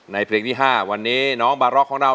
เพลงที่๕วันนี้น้องบาร็อกของเรา